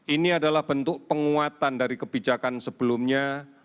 ini adalah bentuk penguatan dari kebijakan sebelumnya